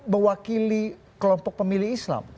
mewakili kelompok pemilih islam